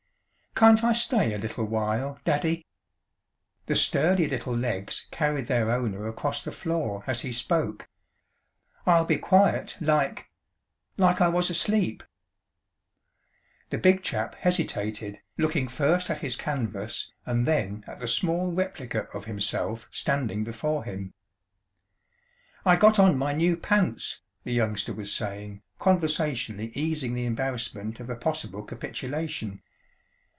"Can't I stay a little while, Daddy?" The sturdy little legs carried their owner across the floor as he spoke. "I'll be quiet, like like I was asleep." The Big Chap hesitated, looking first at his canvas and then at the small replica of himself standing before him. "I got on my new pants," the youngster was saying, conversationally easing the embarrassment of a possible capitulation.